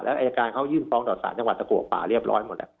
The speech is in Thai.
อายการเขายื่นฟ้องต่อสารจังหวัดตะกัวป่าเรียบร้อยหมดแล้ว